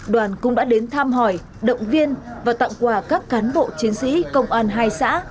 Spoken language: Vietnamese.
đoàn cũng đã đến thăm hỏi động viên và tặng quà các cán bộ chiến sĩ công an hai xã